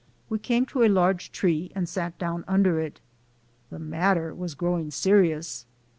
We came to a large tree and sat down under it. The matter was growing serious